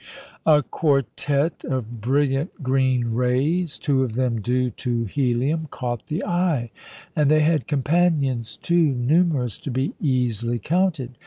A quartette of brilliant green rays, two of them due to helium, caught the eye; and they had companions too numerous to be easily counted.